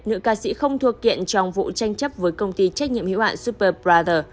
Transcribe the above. nữ ca sĩ không thua kiện trong vụ tranh chấp với công ty trách nhiệm hữu hạn superbrother